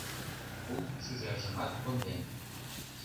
Кум шӱжаржымат конден.